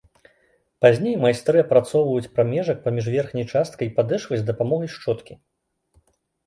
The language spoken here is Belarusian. Пазней майстры апрацоўваюць прамежак паміж верхняй часткай і падэшвай з дапамогай шчоткі.